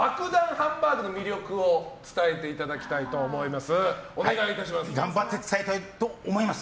ハンバーグの魅力を伝えていただきたいと頑張って伝えたいと思います。